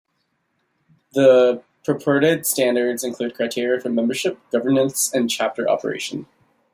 The purported standards include criteria for membership, governance and chapter operation.